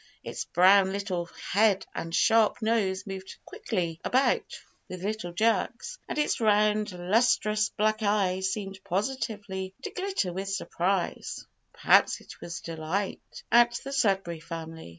Its brown little head and sharp nose moved quickly about with little jerks, and its round lustrous black eyes seemed positively to glitter with surprise, (perhaps it was delight), at the Sudberry Family.